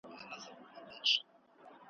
په لږ وخت کي یې پر ټو له کور لاس تېر کړ .